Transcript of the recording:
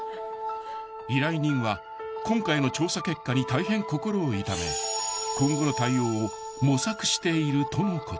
［依頼人は今回の調査結果に大変心を痛め今後の対応を模索しているとのこと］